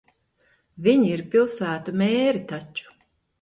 Viņi ir pilsētu mēri taču.